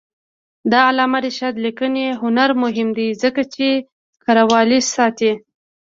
د علامه رشاد لیکنی هنر مهم دی ځکه چې کرهوالي ساتي.